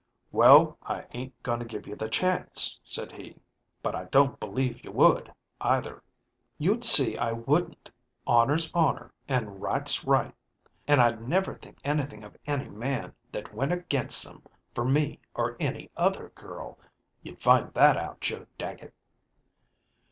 "Well, I ain't going to give you the chance," said he; ďbut I don't believe you would, either." "You'd see I wouldn't. Honor's honor, an' right's right. An' I'd never think anything of any man that went against Ďem for me or any other girl you'd find that out, Joe Dagget."